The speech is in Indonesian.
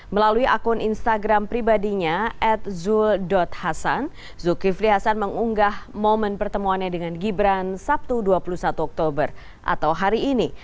melalui akun instagram pribadinya at zul hasan zulkifli hasan mengunggah momen pertemuannya dengan gibran sabtu dua puluh satu oktober atau hari ini